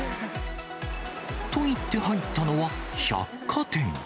といって入ったのは、百貨店。